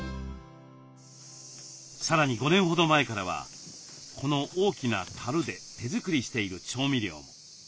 さらに５年ほど前からはこの大きなたるで手作りしている調味料も。